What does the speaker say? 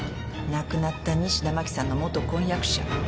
亡くなった西田真紀さんの元婚約者。